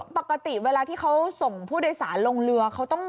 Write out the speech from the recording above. ปกติเวลาที่เขาส่งผู้โดยสารลงเรือเขาต้อง